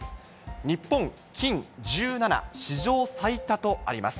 日本金１７史上最多とあります。